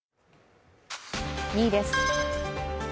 ２位です。